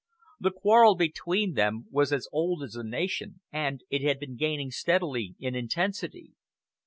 The quarrel between them was as old as the nation, and it had been gaining steadily in intensity.